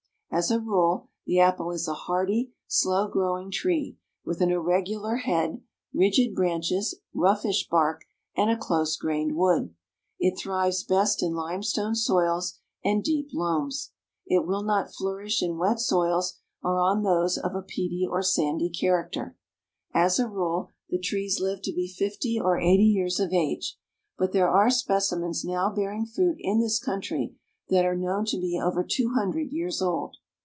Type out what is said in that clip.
As a rule, the Apple is a hardy, slow growing tree, with an irregular head, rigid branches, roughish bark, and a close grained wood. It thrives best in limestone soils and deep loams. It will not flourish in wet soils or on those of a peaty or sandy character. As a rule, the trees live to be fifty or eighty years of age, but there are specimens now bearing fruit in this country that are known to be over two hundred years old.